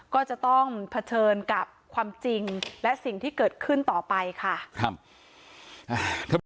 ก็จะต้องเผชิญกับความจริงและสิ่งที่เกิดขึ้นต่อไปค่ะครับ